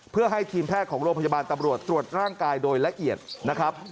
เพื่อให้ทีมแพทย์ของโรงพยาบาลตำรวจตรวจร่างกายโดยละเอียดนะครับ